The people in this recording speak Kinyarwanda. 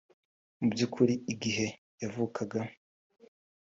Mu by’ukuri igihe yavukaga